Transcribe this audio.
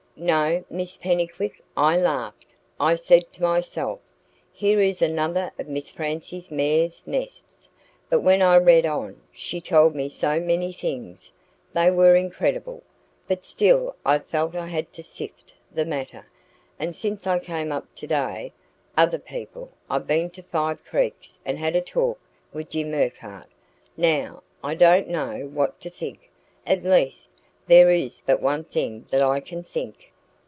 "No, Miss Pennycuick. I laughed. I said to myself: 'Here is another of Miss Francie's mare's nests.' But when I read on she told me so many things they were incredible, but still I felt I had to sift the matter; and since I came up today, other people I've been to Five Creeks and had a talk with Jim Urquhart now I don't know what to think; at least, there is but one thing that I can think."